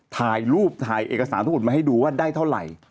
ถ่ายรูปถ่ายเอกสารทั้งหมดมาให้ดูว่าได้เท่าไหร่